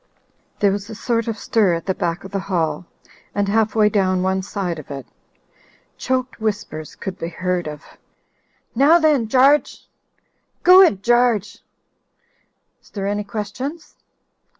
There was a sort of stir at the back of the hall and half way down one side of it. Choked whispers could be heard of "Now then, Garge!" — "Go it Gargc ! Is there any questions